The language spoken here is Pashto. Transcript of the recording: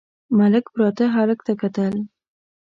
ملک پراته هلک ته کتل….